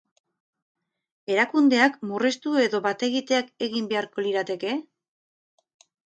Erakundeak murriztu edo bat-egiteak egin beharko lirateke?